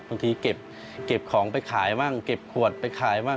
บางทีเก็บของไปขายบ้างเก็บขวดไปขายบ้าง